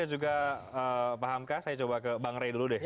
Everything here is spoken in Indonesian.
saya juga pahamka saya coba ke bang ray dulu deh